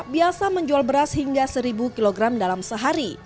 biasa menjual beras hingga seribu kg dalam sehari